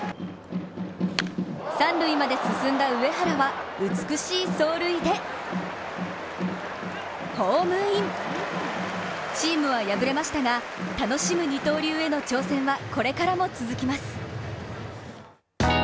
三塁まで進んだ上原は、美しい走塁でホームインチームは敗れましたが、楽しむ二刀流への挑戦はこれからも続きます。